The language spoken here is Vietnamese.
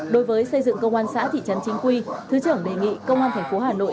đối với xây dựng công an xã thị trấn chính quy thứ trưởng đề nghị công an tp hà nội